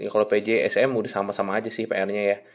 kalau pjsm udah sama sama aja sih pr nya ya